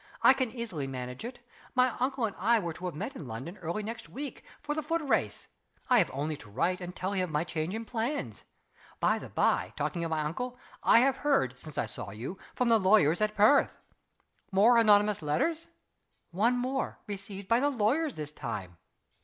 I can easily manage it. My uncle and I were to have met in London, early next week, for the foot race. I have only to write and tell him of my change of plans. By the by, talking of my uncle, I have heard, since I saw you, from the lawyers at Perth." "More anonymous letters?" "One more received by the lawyers this time.